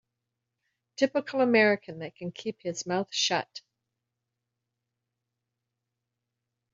Typical American that can keep his mouth shut.